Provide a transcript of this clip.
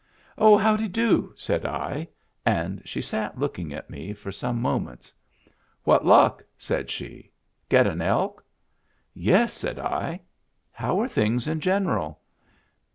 " Oh, howdy do ?" said I ; and she sat looking at me for some moments. " What luck ?" said she. " Get an elk ?"" Yes," said I. " How are things in general